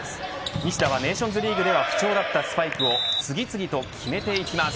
西田は、ネーションズリーグでは不調だったスパイクを次々と決めていきます。